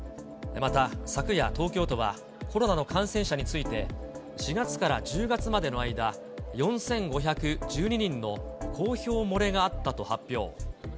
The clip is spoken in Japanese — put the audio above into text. また昨夜、東京都はコロナの感染者について、４月から１０月までの間、４５１２人の公表漏れがあったと発表。